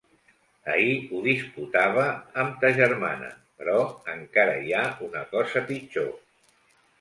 Ahir ho disputava amb ta germana. Però encara hi ha una cosa pitjor.